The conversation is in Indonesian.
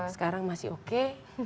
sekarang masih oke